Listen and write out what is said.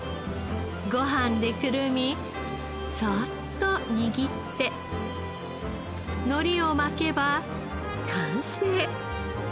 ご飯でくるみそっと握ってのりを巻けば完成。